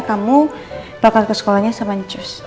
kamu lokal ke sekolahnya sama ncus